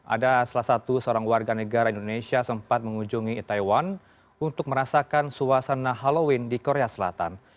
ada salah satu seorang warga negara indonesia sempat mengunjungi taiwan untuk merasakan suasana halloween di korea selatan